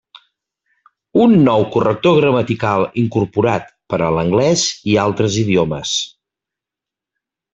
Un nou corrector gramatical incorporat per a l'anglès i altres idiomes.